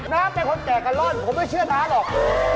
น้าเป็นคนแจกกะล่อนผมไม่เชื่อน้าหรอก